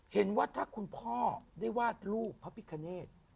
เห็นว่าถ้าคุณพ่อได้วาดรูปพระพิคเนต